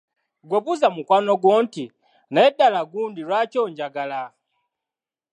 "Ggwe buuza mukwano gwo nti, “ Naye ddala gundi lwaki onjagala ?"""